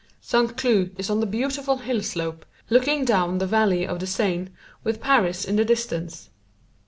St. Cloud is on the beautiful hill slope, looking down the valley of the Seine, with Paris in the distance.